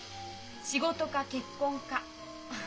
仕事か結婚か。